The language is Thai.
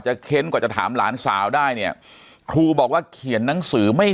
เค้นกว่าจะถามหลานสาวได้เนี่ยครูบอกว่าเขียนหนังสือไม่